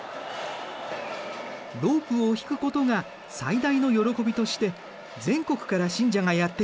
ロープを引くことが最大の喜びとして全国から信者がやって来る。